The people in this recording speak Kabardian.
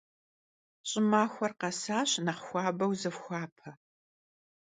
Ş'ımaxuer khesaş nexh xuabeu zıfxuape.